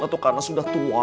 atau karena sudah tua